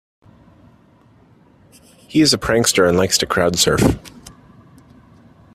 He is a prankster and likes to crowd-surf.